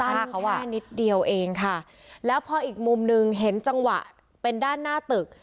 แค่นิดเดียวเองค่ะแล้วพออีกมุมหนึ่งเห็นจังหวะเป็นด้านหน้าตึก